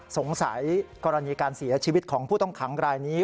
สงสัยกรณีการเสียชีวิตของผู้ต้องขังรายนี้